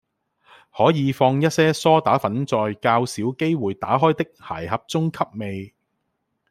可以放一些蘇打粉在較少機會打開的鞋盒中吸味